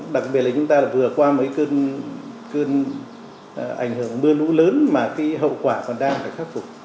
đặc biệt là chúng ta vừa qua mấy cơn ảnh hưởng mưa lũ lớn mà cái hậu quả còn đang phải khắc phục